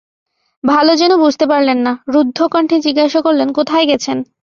ভালো যেন বুঝতে পারলেন না, রুদ্ধকণ্ঠে জিজ্ঞাসা করলেন, কোথায় গেছেন।